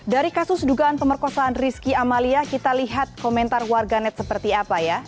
dari kasus dugaan pemerkosaan rizky amalia kita lihat komentar warga net seperti apa ya